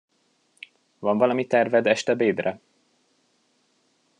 Van valami terved estebédre?